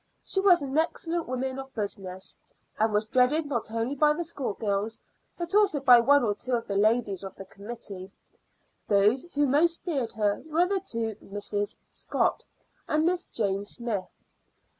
She was an excellent woman of business, and was dreaded not only by the schoolgirls, but also by one or two of the ladies of the committee; those who most feared her were the two Misses Scott and Miss Jane Smyth.